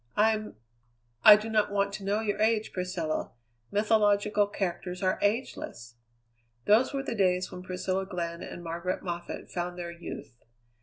"I'm " "I do not want to know your age, Priscilla. Mythological characters are ageless." Those were the days when Priscilla Glenn and Margaret Moffatt found their youth.